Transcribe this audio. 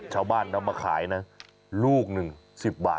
ชาวบ้านเขามาขายนะลูกนึงสิบบาท